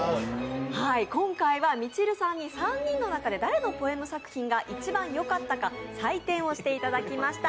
今回はみちるさんに３人の中で誰の作品が良かったか採点をしていただきました。